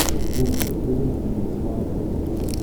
Tbubb-d tirint n yesɣaren.